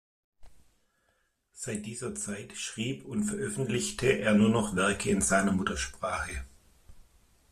Seit dieser Zeit schrieb und veröffentlichte er nur noch Werke in seiner Muttersprache.